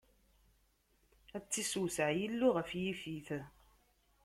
Ad tt-issewseɛ Yillu ɣef Yifit!